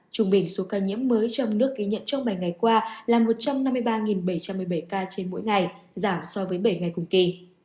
trung bình số ca nhiễm mới trong nước ghi nhận trong bảy ngày qua là một trăm năm mươi ba bảy trăm một mươi bảy ca trên mỗi ngày giảm so với bảy ngày cùng kỳ